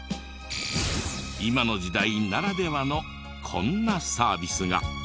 今の時代ならではのこんなサービスが。